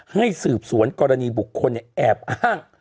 ให้สืบสวนกรณีบุคคลแอบอ้าง